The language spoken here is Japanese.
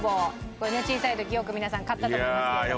これね小さい時よく皆さん買ったと思いますけれども。